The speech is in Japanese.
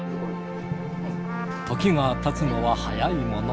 時がたつのは早いもの。